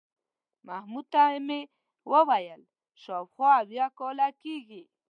محمود ته مې وویل شاوخوا اویا کاله کېږي.